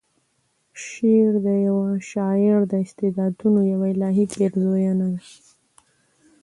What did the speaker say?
شعر د یوه شاعر د استعدادونو یوه الهې پیرزویَنه ده.